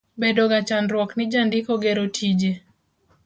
Bedoga chandruok ni jandiko gero tije.